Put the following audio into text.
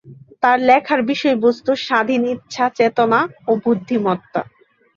তার লেখার বিষয়বস্তু স্বাধীন ইচ্ছা, চেতনা ও বুদ্ধিমত্তা।